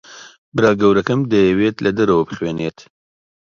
برا گەورەکەم دەیەوێت لە دەرەوە بخوێنێت.